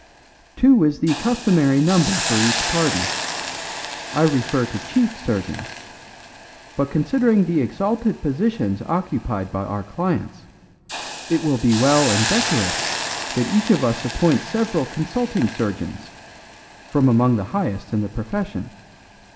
"Two is the customary number for each party. I refer to 'chief' surgeons; but considering the exalted positions occupied by our clients, it will be well and decorous that each of us appoint several consulting surgeons, from among the highest in the profession.